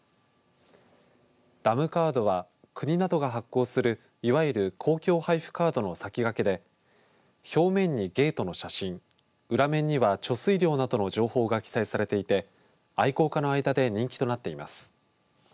ダムカードは国などが発行するいわゆる公共配布カードの先駆けで表面にゲートの写真裏面には貯水量などの情報が記載されていて愛好家の間で人気となっています。